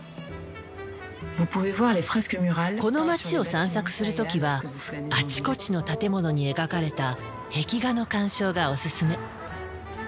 この街を散策する時はあちこちの建物に描かれた壁画の鑑賞がお勧め。